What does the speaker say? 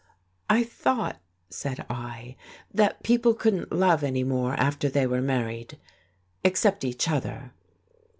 "I thought," said I, "that people couldn't love any more after they were married, except each other."